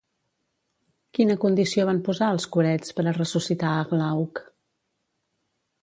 Quina condició van posar els Curets per a ressuscitar a Glauc?